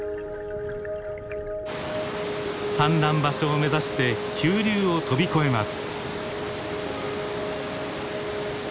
産卵場所を目指して急流を飛び越えます。